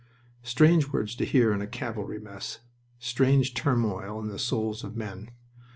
Strange words to hear in a cavalry mess! Strange turmoil in the souls of men!